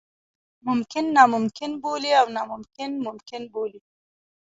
ممکن ناممکن بولي او ناممکن ممکن بولي.